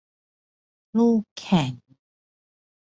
ลูกแข็ง